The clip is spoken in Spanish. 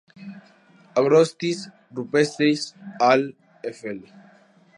Agrostis rupestris All., Fl.